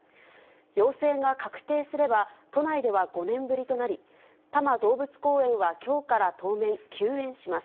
陽性が確定すれば、都内では５年ぶりとなり、多摩動物公園はきょうから当面、休園します。